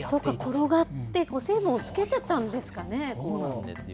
転がって、成分をつけてたんですかね。